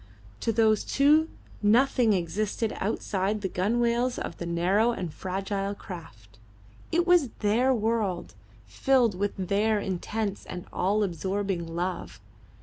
To those two nothing existed then outside the gunwales of the narrow and fragile craft. It was their world, filled with their intense and all absorbing love.